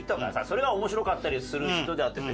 それが面白かったりする人であって。